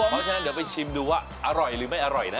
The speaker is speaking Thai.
เพราะฉะนั้นเดี๋ยวไปชิมดูว่าอร่อยหรือไม่อร่อยนะ